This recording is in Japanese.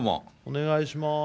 お願いします。